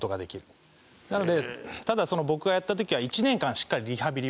なのでただ僕がやった時は１年間しっかりリハビリを。